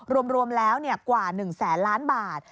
รวมแล้วกว่า๑๐๐๐๐๐ล้านบาท